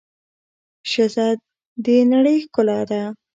ښځه د د نړۍ ښکلا ده.